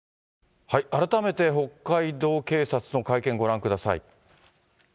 改めて北海道警察の会見ご覧ください。